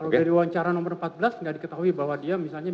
kalau dari wawancara nomor empat belas tidak diketahui bahwa dia misalnya